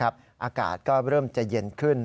อากาศก็เริ่มจะเย็นขึ้น